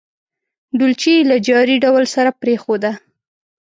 ډولچي یې له جاري ډول سره پرېښوده.